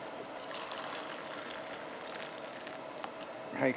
はい。